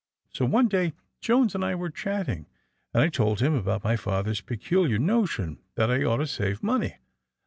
So, one day, Jones and I were chatting, and I told him about my father's peculiar no tion that I ought to save money.